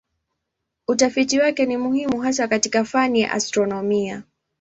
Utafiti wake ni muhimu hasa katika fani ya astronomia.